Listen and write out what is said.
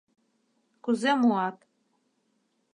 — Кузе муат.